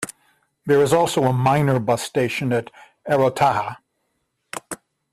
There is also a minor bus station at Erottaja.